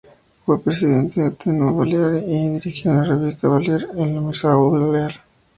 Fue presidente del Ateneu Balear y dirigió la "Revista Balear" y el Museu Balear.